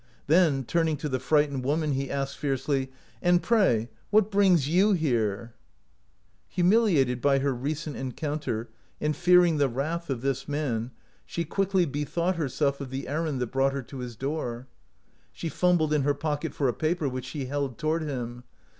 Then, turning to the frightened woman, he asked, fiercely :" And pray, what brings you here ?" Humiliated by her recent encounter, and fearing the wrath of this man, she quickly i79 OUT OF BOHEMIA bethought herself of the errand that brought her to his door. She fumbled in her pocket for a paper, which she held toward him.